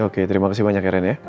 oke terima kasih banyak ya rene ya